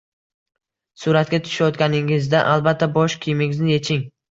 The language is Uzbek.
Suratga tushayotganingizda albatta bosh kiyimingizni yeching.